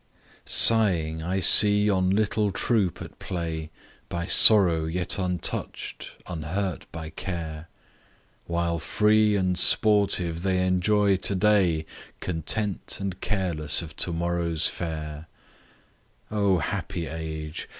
SIGHING I see yon little troop at play, By sorrow yet untouch'd; unhurt by care; While free and sportive they enjoy to day, 'Content and careless of to morrow's fare!' O happy age!